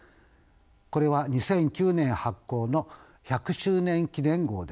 これは２００９年発行の１００周年記念号です。